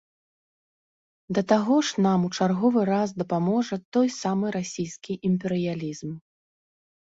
Да таго ж, нам у чарговы раз дапаможа той самы расійскі імперыялізм.